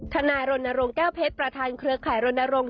นายรณรงค์แก้วเพชรประธานเครือข่ายรณรงค